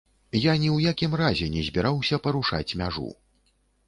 Я ні ў якім разе не збіраўся парушаць мяжу.